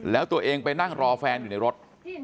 แล้วตัวเองไปนั่งรอแฟนอยู่ในรถ